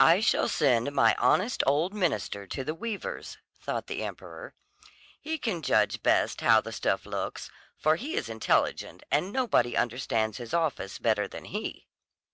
"I shall send my honest old minister to the weavers," thought the emperor. "He can judge best how the stuff looks, for he is intelligent, and nobody understands his office better than he."